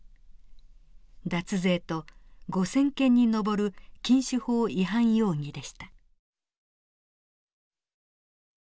脱税と５，０００件に上る禁酒法違反容疑でした。